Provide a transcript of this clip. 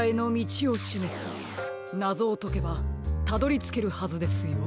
なぞをとけばたどりつけるはずですよ。